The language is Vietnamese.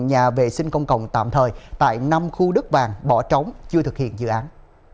nhà vệ sinh công cộng tạm thời tại năm khu đất vàng bỏ trống chưa thực hiện dự án